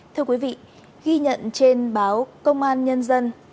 thưa quý vị ghi nhận trên báo công an nhân dân